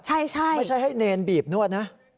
ใช่ไม่ใช่ให้เนรบีบนวดนะ